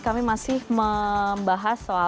kami masih membahas soal